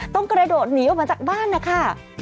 กระโดดหนีออกมาจากบ้านนะคะ